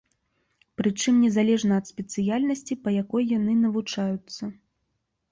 Прычым незалежна ад спецыяльнасці, па якой яны навучаюцца.